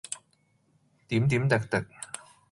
點點滴滴。